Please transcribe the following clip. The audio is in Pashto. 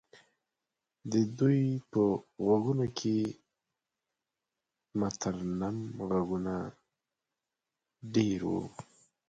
د دوی په غوږونو کې مترنم غږونه دېره وو.